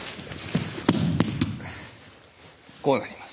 こうなります。